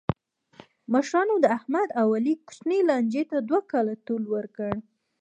مشرانو د احمد او علي کوچنۍ لانجې ته دوه کاله طول ورکړ.